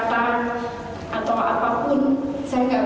biarlah tuhan yang akan membalas bapak ibu sekalian di citylink